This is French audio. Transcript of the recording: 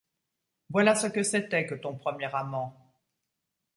Voilà ce que c'était que ton premier amant.